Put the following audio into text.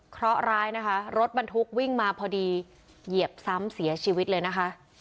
เพราะร้ายนะคะรถบรรทุกวิ่งมาพอดีเหยียบซ้ำเสียชีวิตเลยนะคะ